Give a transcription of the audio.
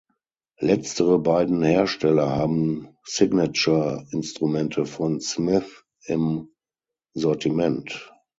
Letztere beiden Hersteller haben Signature-Instrumente von Smith im Sortiment.